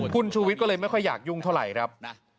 คุณชูวิทย์ก็เลยไม่ค่อยอยากยุ่งเท่าไหร่ครับ